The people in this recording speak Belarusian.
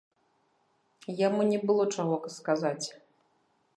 Яму не было чаго сказаць.